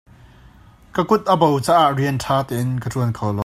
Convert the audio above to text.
Ka kut a bo caah rian ṭha tein ka ṭuan kho lo.